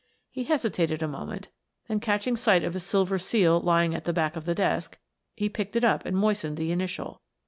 He hesitated a moment, then catching sight of a silver seal lying at the back of the desk he picked it up and moistened the initial.